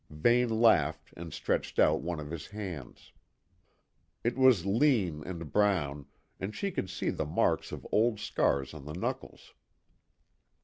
Vane laughed and stretched out one of his hands. It was lean and brown, and she could see the marks of old scars on the knuckles.